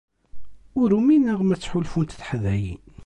Ur umineɣ ma ttḥulfunt teḥdayin.